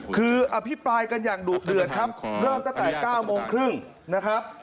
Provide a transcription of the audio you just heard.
คืออภิปรายกันอย่างดุเดือดครับเริ่มตั้งแต่๙โมงครึ่งนะครับ